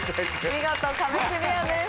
見事壁クリアです。